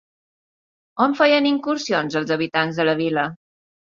On feien incursions els habitants de la vila?